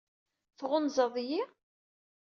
Tɣunzaḍ-iyi?